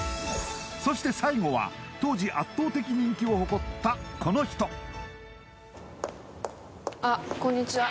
そして最後は当時圧倒的人気を誇ったこの人あっこんにちは